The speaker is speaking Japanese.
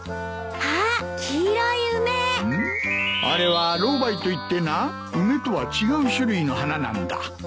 あれはロウバイといってな梅とは違う種類の花なんだ。